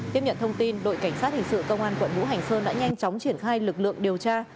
tiếp nhận thông tin đội cảnh sát hình sự công an quận ngũ hành sơn đã nhanh chóng triển khai lực lượng điều tra